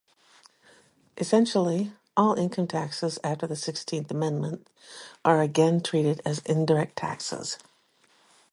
Essentially, all income taxes after the Sixteenth Amendment are again treated as indirect taxes.